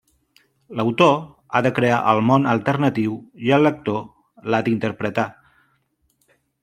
L'autor ha de crear el món alternatiu i el lector l'ha d'interpretar.